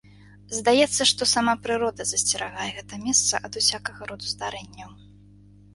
Здаецца, што сама прырода засцерагае гэта месца ад усякага роду здарэнняў.